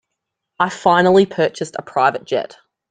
I finally purchased a private jet.